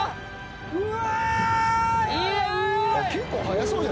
うわ！